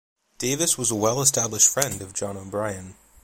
Davis was a well-established friend of John O'Brien.